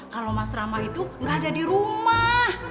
kalau mas rama itu nggak ada di rumah